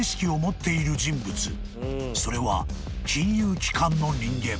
［それは金融機関の人間］